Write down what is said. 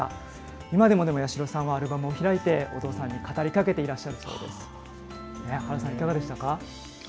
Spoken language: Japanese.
今でも八代さんは、アルバムを開いて、お父さんに語りかけていらっしゃるそうです。